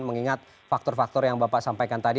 mengingat faktor faktor yang bapak sampaikan tadi